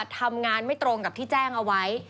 ทำงานไม่ตรงกับที่แจ้งเอาไว้